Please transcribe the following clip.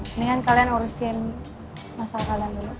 mendingan kalian urusin masalah kalian dulu